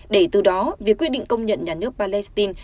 để từ đó việc quyết định công nhận nhà nước palestine